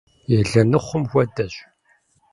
Елэныхъум хуэдэщ.